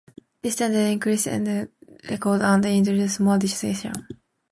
This tends to increase wear on the record, and introduces more distortion.